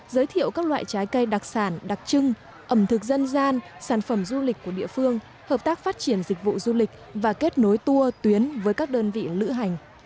giới thiệu các loại trái cây đặc sản đặc trưng ẩm thực dân gian sản phẩm du lịch của địa phương hợp tác phát triển dịch vụ du lịch và kết nối tour tuyến với các đơn vị lữ hành